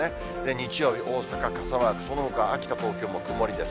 日曜日、大阪傘マーク、そのほか秋田、東京も曇りです。